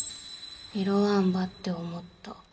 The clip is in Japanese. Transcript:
拾わんばって思った